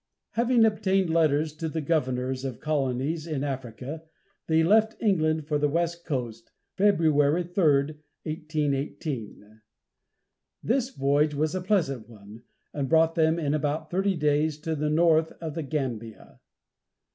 Having obtained letters to the governors of colonies in Africa, they left England for the west coast, February 3, 1818. This voyage was a pleasant one, and brought them in about thirty days to the mouth of the Gambia.